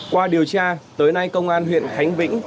qua điều tra tới nay công an huyện khánh vĩnh